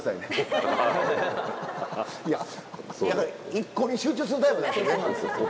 一個に集中するタイプなんですよね。